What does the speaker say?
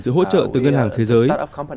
sự hỗ trợ từ ngân hàng thế giới